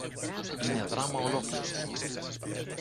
Είναι δράμα ολόκληρο